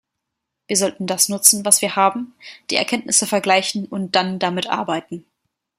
Wir sollten das nutzen, was wir haben, die Erkenntnisse vergleichen und dann damit arbeiten.